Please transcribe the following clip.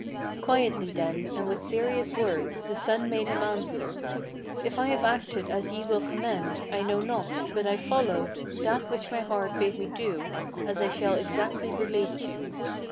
Quietly then, and with serious words, the son made him answer: "If I have acted as ye will commend, I know not; but I followed That which my heart bade me do, as I shall exactly relate you.